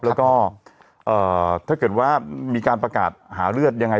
แล้วก็ถ้าเกิดว่ามีการประกาศหาเลือดยังไง